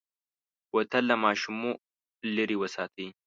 بوتل له ماشومو لرې وساتئ.